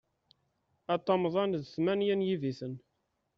Aṭamḍan d tmenya n yibiten.